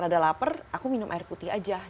agak lapar aku minum air putih aja